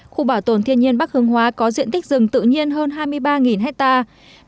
khu bảo tồn thiên nhiên bắc hương hóa có diện tích rừng tự nhiên hơn hai mươi ba hectare